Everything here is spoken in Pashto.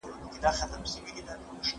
ستونزو ته صبر کول د پلار یوه ځانګړتیا ده.